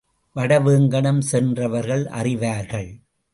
வடவேங்கடம் சென்றவர்கள் அறிவார்கள்.